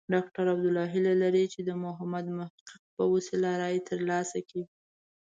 ډاکټر عبدالله هیله لري چې د محمد محقق په وسیله رایې ترلاسه کړي.